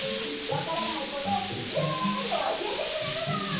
わからないことぜんぶおしえてくれるの！